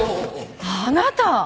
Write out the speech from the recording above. あなた！